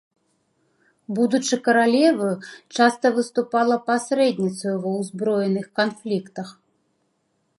Будучы каралеваю, часта выступала пасрэдніцаю ва ўзброеных канфліктах.